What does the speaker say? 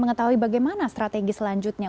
mengetahui bagaimana strategi selanjutnya